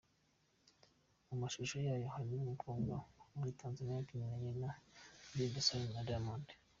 Mu mashusho yayo harimo umukobwa wo muri Tanzania wabyinnye mu ndirimbo Salome ya Diamond.